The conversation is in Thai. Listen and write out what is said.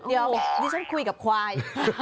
เดี๋ยวดิฉันคุยกับควาย